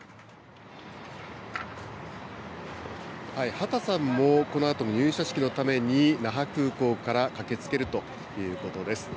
畑さんも、このあとの入社式のために那覇空港から駆けつけるということです。